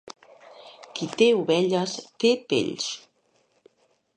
Qui té ovelles, té pells.